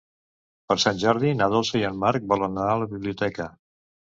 Per Sant Jordi na Dolça i en Marc volen anar a la biblioteca.